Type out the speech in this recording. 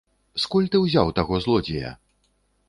Скуль ты ўзяў таго злодзея?